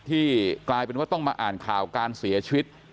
ที่กลายเป็นว่าต้องมาอ่านข่าวการเสียชีวิต